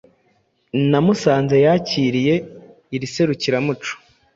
na Musanze yakiriye iri serukiramuco.